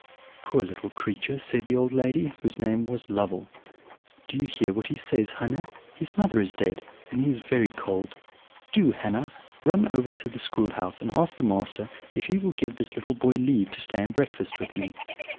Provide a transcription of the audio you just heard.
"'Poor little creature!' said the old lady, whose name was Lovel. 'Do you hear what he says, Hannah? His mother is dead, and he is very cold! Do, Hannah, run over to the school house, and ask the master if he will give this little boy leave to stay and breakfast with me.'